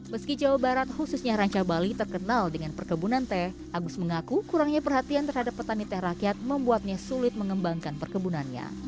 meski jawa barat khususnya ranca bali terkenal dengan perkebunan teh agus mengaku kurangnya perhatian terhadap petani teh rakyat membuatnya sulit mengembangkan perkebunannya